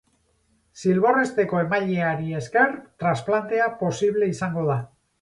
Zilbor-hesteko emaileari esker transplantea posible izango da.